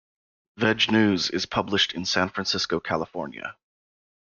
"VegNews" is published in San Francisco, California.